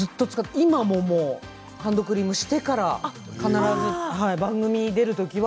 今もハンドクリームをしてから番組に出るときには。